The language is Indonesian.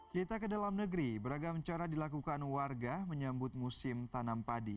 kita ke dalam negeri beragam cara dilakukan warga menyambut musim tanam padi